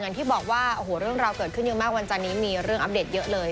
อย่างที่บอกว่าโอ้โหเรื่องราวเกิดขึ้นเยอะมากวันจันนี้มีเรื่องอัปเดตเยอะเลย